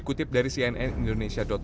ketika kota kiev menembus perjalanan